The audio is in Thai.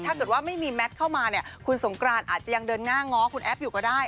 ถ้าเกิดว่าไม่มีแมทเข้ามาเนี่ยคุณสงกรานอาจจะยังเดินหน้าง้อคุณแอฟอยู่ก็ได้